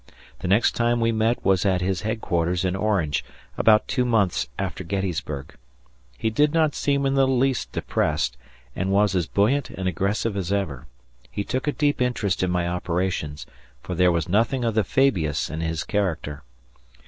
The next time we met was at his headquarters in Orange, about two months after Gettysburg. He did not seem in the least depressed, and was as buoyant and aggressive as ever. He took a deep interest in my operations, for there was nothing of the Fabius in his character.